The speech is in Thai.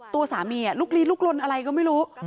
ตัวสามีลุกลีลุกลนอะไรก็ไม่รู้